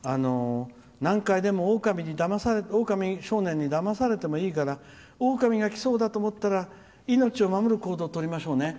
何回でも、おおかみ少年にだまされてもいいからおおかみが来そうだと思ったら命を守る行動をとりましょうね